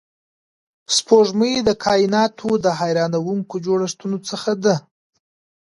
سپوږمۍ د کایناتو د حیرانونکو جوړښتونو څخه ده